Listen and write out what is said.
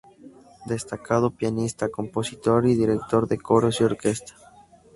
Destacado pianista, compositor y director de coros y orquesta.